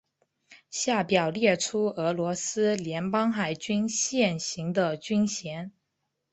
下表列出俄罗斯联邦海军现行的军衔。